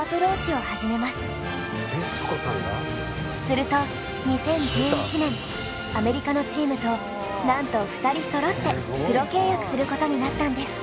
すると２０１１年アメリカのチームとなんと２人そろってプロ契約することになったんです。